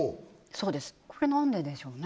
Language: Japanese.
そうですこれなんででしょうね？